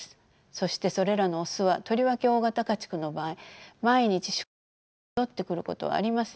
そしてそれらのオスはとりわけ大型家畜の場合毎日宿営地に戻ってくることはありません。